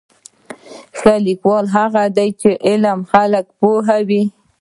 ښه لیکوال هغه دی چې عام خلک وپوهوي.